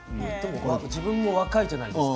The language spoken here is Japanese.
自分も若いじゃないですか